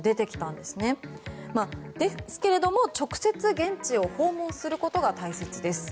ですけれども直接現地を訪問することが大切です。